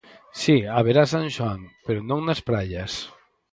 Si haberá San Xoán, pero non nas praias.